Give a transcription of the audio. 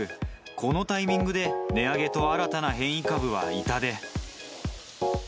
このタイミングで、値上げと新たな変異株は痛手。